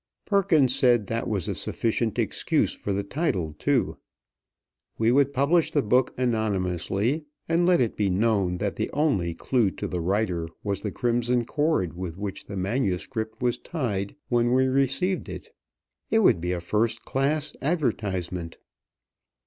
Perkins said that was a sufficient excuse for the title, too. We would publish the book anonymously, and let it be known that the only clue to the writer was the crimson cord with which the manuscript was tied when we received it. It would be a first class advertisement.